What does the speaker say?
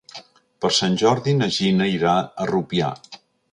Per Sant Jordi na Gina irà a Rupià.